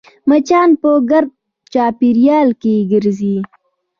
مچان په ګرد چاپېریال کې ګرځي